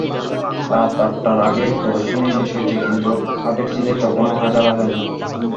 রাত আটটার আগেই প্রদর্শনী শেষ হয়েছে, কিন্তু হাতিরঝিলে তখনো হাজার হাজার মানুষ।